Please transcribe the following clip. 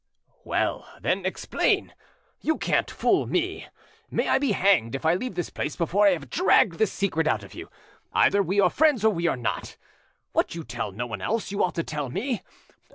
"Well, then, explain; you can't fool me! May I be hanged if I leave this place before I have dragged the secret out of you! Either we are friends or we are not. What you tell no one else you ought to tell me.